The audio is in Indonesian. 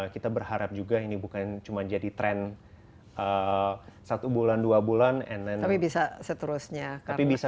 kita berharap juga ini bukan cuma jadi tren satu bulan dua bulan tapi bisa seterusnya tapi bisa